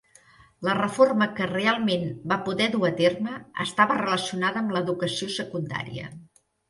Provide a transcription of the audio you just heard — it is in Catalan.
La reforma que realment va poder dur a terme estava relacionada amb l'educació secundària.